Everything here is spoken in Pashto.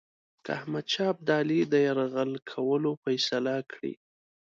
که احمدشاه ابدالي د یرغل کولو فیصله کړې.